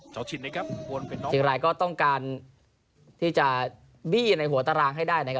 ชินนะครับเชียงรายก็ต้องการที่จะบี้ในหัวตารางให้ได้นะครับ